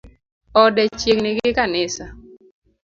Ode chiegni gi kanisa